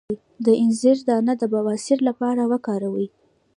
د انځر دانه د بواسیر لپاره وکاروئ